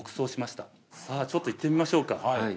さあちょっといってみましょうか。